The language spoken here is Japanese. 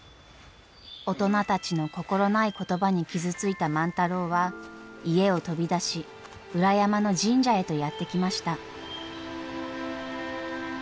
大人たちの心ない言葉に傷ついた万太郎は家を飛び出し裏山の神社へとやって来ました。